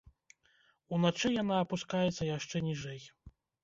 Уначы яна апускаецца яшчэ ніжэй.